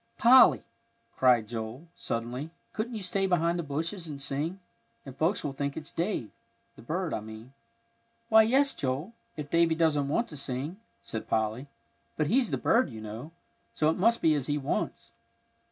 "Polly," cried Joel, suddenly, "couldn't you stay behind the bushes and sing? and folks will think it's Dave, the bird I mean." "Why, yes, Joel, if Davie doesn't want to sing," said Polly; "but he's the bird, you know, so it must be as he wants."